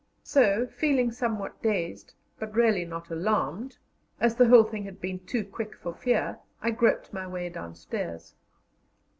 So, feeling somewhat dazed, but really not alarmed, as the whole thing had been too quick for fear, I groped my way downstairs.